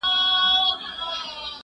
ته ولي سبزیجات وچوې